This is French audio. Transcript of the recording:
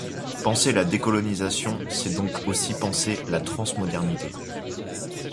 Penser la décolonisation c'est donc aussi penser la transmodernité.